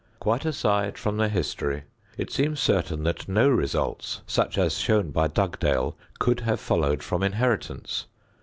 Quite aside from the history, it seems certain that no results such as shown by Dugdale could have followed from inheritance.